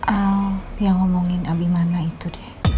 al yang ngomongin abimana itu deh